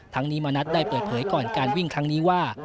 นี้มณัฐได้เปิดเผยก่อนการวิ่งครั้งนี้ว่า